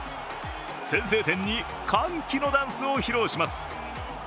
先制点に歓喜のダンスを披露します。